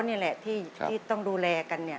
นี่แหละที่ต้องดูแลกัน